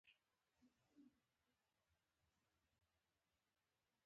احصایو لویه نابرابري موجوده وي.